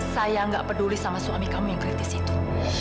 saya nggak peduli sama suami kamu yang kritis itu